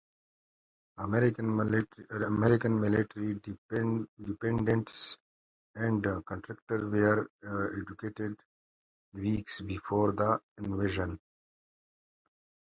American military dependents and contractors were evacuated weeks before the invasion.